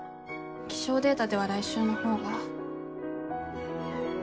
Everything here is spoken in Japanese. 気象データでは来週の方が。